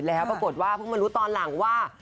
แล้วปรากฏว่าเพิ่งมารู้ตอนหลังว่า